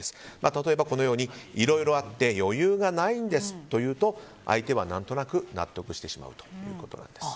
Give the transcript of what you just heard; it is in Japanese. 例えば、いろいろあって余裕がないんですと言うと相手は何となく納得してしまうということです。